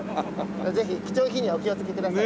ぜひ貴重品にはお気をつけください。